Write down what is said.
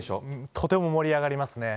とても盛り上がりますね。